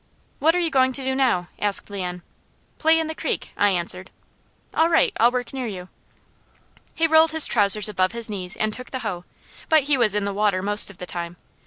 "What are you going to do now?" asked Leon. "Play in the creek," I answered. "All right! I'll work near you." He rolled his trousers above his knees and took the hoe, but he was in the water most of the time.